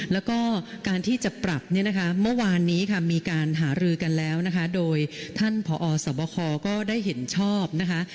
แล้วก็การที่จะปรับเนี่ยนะคะเมื่อวานนี้ค่ะมีการหารือกันแล้วนะคะโดยท่านผอสบคก็ได้เห็นชอบนะคะ